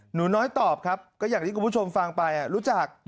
หนูน้อยตอบครับก็อย่างที่คุณผู้ชมฟังไปรู้จัก